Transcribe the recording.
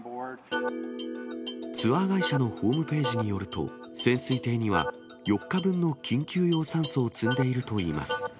ツアー会社のホームページによると、潜水艇には４日分の緊急用酸素を積んでいるといいます。